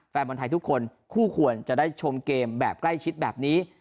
แฟนบอลไทยทุกคนคู่ควรจะได้ชมเกมแบบใกล้ชิดแบบนี้